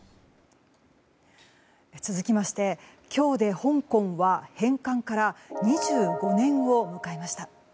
続きまして今日で香港は返還から２５年を迎えました。